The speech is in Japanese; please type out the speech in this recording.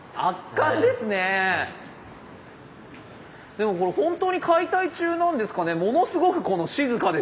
でもこれ本当に解体中なんですかね？